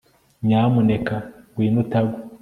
nyamuneka ngwino utagwa aho